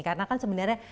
karena kan sebenarnya